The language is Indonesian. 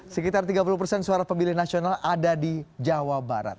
sekitar tiga puluh persen suara pemilih nasional ada di jawa barat